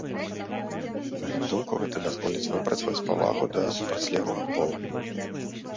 На іх думку, гэта дазволіць выпрацаваць павагу да супрацьлеглага полу.